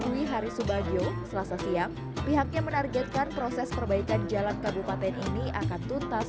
yuhari subagyo selasa siang pihaknya menargetkan proses perbaikan jalan kabupaten ini akan tuntas